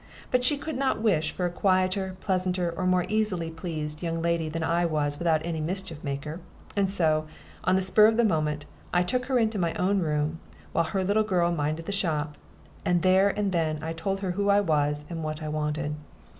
But she could not wish for a quieter, pleasanter, or more easily pleased young lady than I was without any mischief maker; and so, on the spur of the moment, I took her into my own room, while her little girl minded the shop, and there and then I told her who I was, and what I wanted.